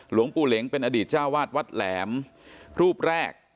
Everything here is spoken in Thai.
หลวงปู่เหล็งเป็นอดีตเจ้าวาดวัดแหลมรูปแรก